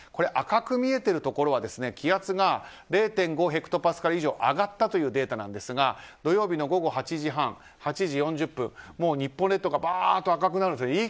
赤く見えているところは気圧が０．５ヘクトパスカル以上上がったというデータなんですが土曜日の午後８時半、８時４０分日本列島がバーっと赤くなるんですよ。